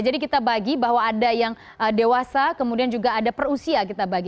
jadi kita bagi bahwa ada yang dewasa kemudian juga ada perusia kita bagi